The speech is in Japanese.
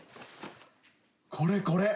これこれ。